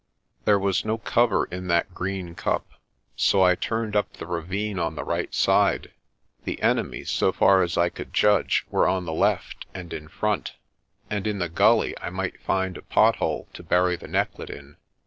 There was no cover in that green cup, so I turned up the ravine on the right side. The enemy, so far as I could judge, were on the left and in front, and in the gully I might find a pothole to bury the necklet in.